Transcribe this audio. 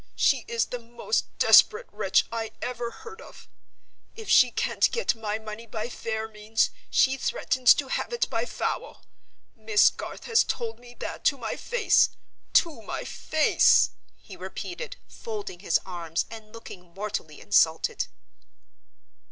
She is the most desperate wretch I ever heard of! If she can't get my money by fair means, she threatens to have it by foul. Miss Garth has told me that to my face. To my face!" he repeated, folding his arms, and looking mortally insulted.